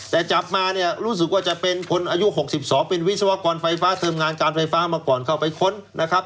แต่จับมาเนี่ยรู้สึกว่าจะเป็นคนอายุ๖๒เป็นวิศวกรไฟฟ้าเทอมงานการไฟฟ้ามาก่อนเข้าไปค้นนะครับ